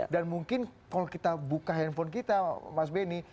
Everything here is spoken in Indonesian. dan mungkin kalau kita buka handphone kita mas benny